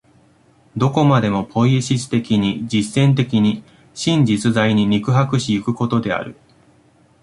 どこまでもポイエシス的に、実践的に、真実在に肉迫し行くことである。